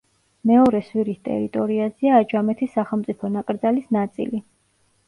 მეორე სვირის ტერიტორიაზეა აჯამეთის სახელმწიფო ნაკრძალის ნაწილი.